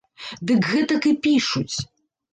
Дык гэтак і пішуць.